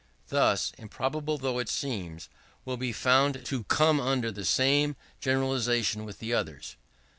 This, improbable though it seems, will be found to come under the same generalization with the others.